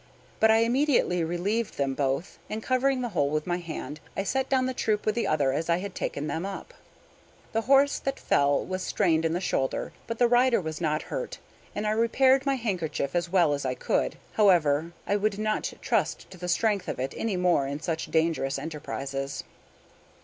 But I immediately relieved them both, and covering the hole with one hand, I set down the troop with the other as I had taken them up. The horse that fell was strained in the shoulder; but the rider was not hurt, and I repaired my handkerchief as well as I could. However, I would not trust to the strength of it any more in such dangerous enterprises.